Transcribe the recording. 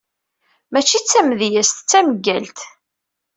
Mači d tamedyazt d tameggalt.